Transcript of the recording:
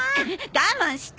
我慢して。